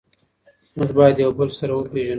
موږ باید یو بل سره وپیژنو.